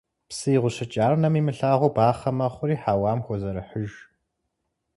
Псы игъущыкӀар нэм имылъагъу бахъэ мэхъури хьэуам хозэрыхьыж.